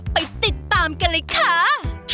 ไปติดตามกันเลยค่ะ